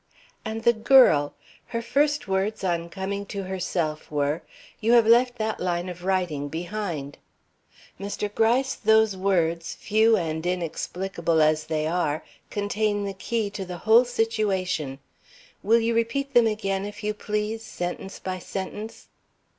And the girl! Her first words on coming to herself were: 'You have left that line of writing behind.' Mr. Gryce, those words, few and inexplicable as they are, contain the key to the whole situation. Will you repeat them again, if you please, sentence by sentence?"